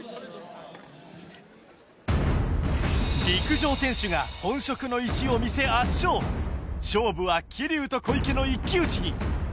陸上選手が本職の意地を見せ圧勝勝負は桐生と小池の一騎打ちに。